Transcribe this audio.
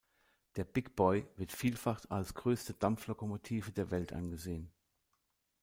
Der "Big Boy" wird vielfach als größte Dampflokomotive der Welt angesehen.